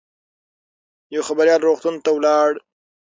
یو خبریال روغتون ته ولاړ.